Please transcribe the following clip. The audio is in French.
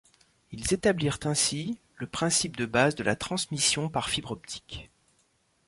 Ils établirent ainsi le principe de base de la transmission par fibre optique.